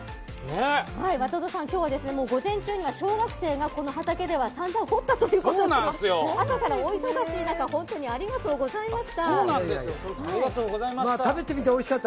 渡戸さん、今日は午前中には小学生がこの畑では掘ったということで朝からお忙しい中本当にありがとうございました。